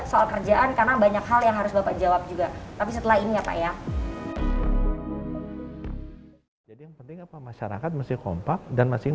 soal kerjaan karena banyak hal yang harus bapak jawab juga